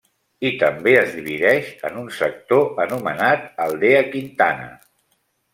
I també es divideix en un sector, anomenat Aldea Quintana.